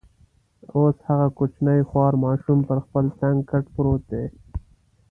اوس هغه کوچنی خوار ماشوم پر خپل تنګ کټ پروت دی.